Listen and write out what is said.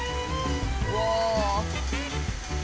うわ！